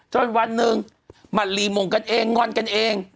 วันหนึ่งมันรีมงกันเองงอนกันเอง